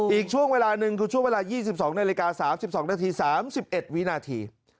อีกช่วงเวลาหนึ่งคือช่วงเวลา๒๒นาฬิกา๓๒นาที๓๑วินาที